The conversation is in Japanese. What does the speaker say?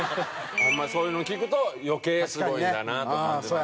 ホンマそういうの聞くと余計すごいんだなと。